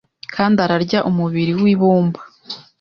Kandi ararya umubiri wibumba